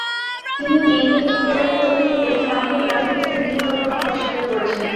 তিনি মেয়েকে লুকিয়ে রাখার অভিযোগে শামসুল আলমকে হুমকি দেওয়ার কথা অস্বীকার করেছেন।